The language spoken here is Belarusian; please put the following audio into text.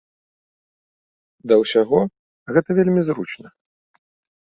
Да ўсяго, гэта вельмі зручна.